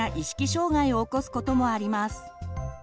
障害を起こすこともあります。